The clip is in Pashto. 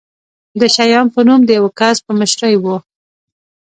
د شیام په نوم د یوه کس په مشرۍ و.